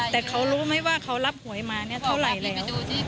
แต่เขารู้ไหมว่าเขารับหวยมาเนี่ยเท่าไหร่แล้ว